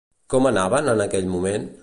Com anaven en aquell moment?